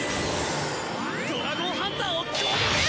ドラゴンハンターを攻撃！